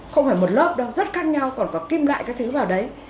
không phải một lớp đâu rất khác nhau còn có kim lại các thứ vào đấy